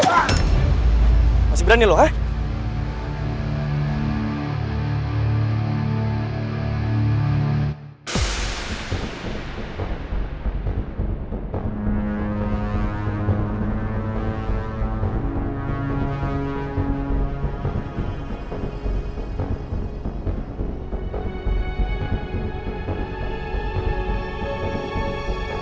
sampai jumpa di video selanjutnya